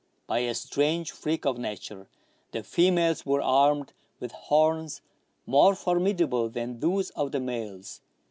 By a strange freak of nature, the females were armed with horns more formidable than those of the males.